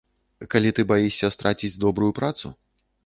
Калі ты баішся страціць добрую працу?